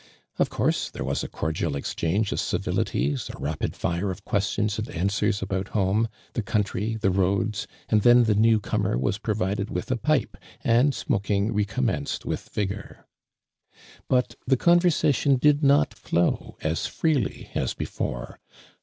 Of course there yifs a cordial exchange of civilities, a rapid lire of questions and answers about home, the country, the roads, and then the new oomer was provided with a pipe, and smok ing recommenced with vigor. But the conversation did not flow as Ireely as before.